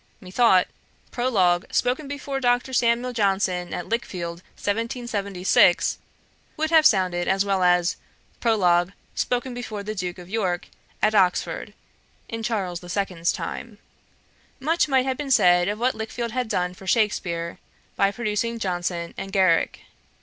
Methought, 'Prologue, spoken before Dr. Samuel Johnson, at Lichfield, 1776;' would have sounded as well as, 'Prologue, spoken before the Duke of York, at Oxford,' in Charles the Second's time. Much might have been said of what Lichfield had done for Shakspeare, by producing Johnson and Garrick.